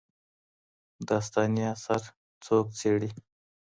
داستاني اثر څوک څېړي؟